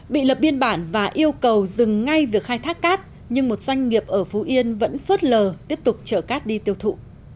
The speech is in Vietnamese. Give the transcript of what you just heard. bị lập biên bản và yêu cầu dừng ngay việc khai thác cát nhưng một doanh nghiệp ở phú yên vẫn phớt lờ tiếp tục chở cát đi tiêu thụ